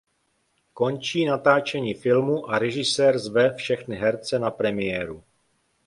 Končí natáčení filmu a režisér zve všechny herce na premiéru.